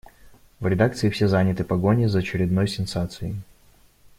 В редакции все заняты погоней за очередной сенсацией.